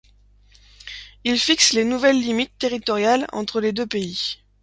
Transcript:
Il fixe les nouvelles limites territoriales entre les deux pays.